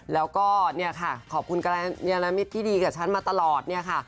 แล้วก็เนี่ยค่ะขอบคุณกรณมิตรที่ดีกับฉันมาตลอดเนี่ยค่ะ